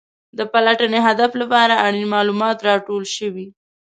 د پلټنې هدف لپاره اړین معلومات راټول شوي.